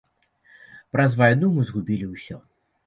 Праз вайну мы згубілі ўсё.